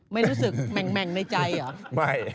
ไม่รู้สึกแม่งในใจเหรอ